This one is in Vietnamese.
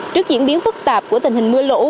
trước diễn biến phức tạp của tình hình mưa lũ